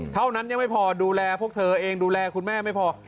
เท่านั้นยังไม่พอดูแลพวกเธอเองดูแลคุณแม่ไม่พอ